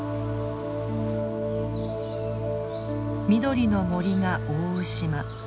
緑の森が覆う島。